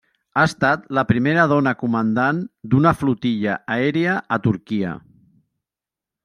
Ha estat la primera dona comandant d'una flotilla aèria a Turquia.